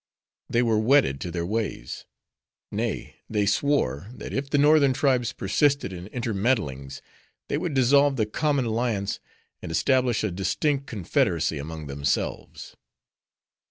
They were wedded to their ways. Nay, they swore, that if the northern tribes persisted in intermeddlings, they would dissolve the common alliance, and establish a distinct confederacy among themselves.